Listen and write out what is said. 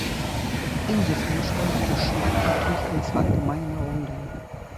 Insofern stellt Geschmack natürlich eine Verallgemeinerung dar.